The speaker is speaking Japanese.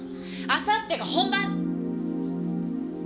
あさってが本番。